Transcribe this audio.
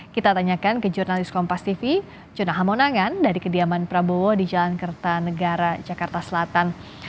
kita tanyakan ke jurnalis kompas tv jonahamonangan dari kediaman prabowo di jalan kertanegara jakarta selatan